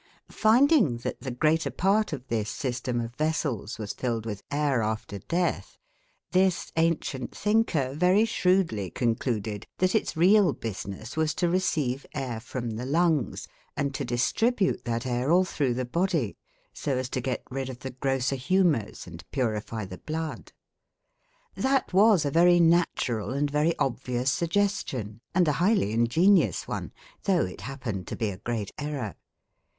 1). Finding that the greater part of this system of vessels was filled with air after death, this ancient thinker very shrewdly concluded that its real business was to receive air from the lungs, and to distribute that air all through the body, so as to get rid of the grosser humours and purify the blood. That was a very natural and very obvious suggestion, and a highly ingenious one, though it happened to be a great error.